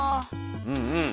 うんうん。